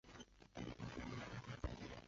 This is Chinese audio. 北岳是日本重要的登山圣地。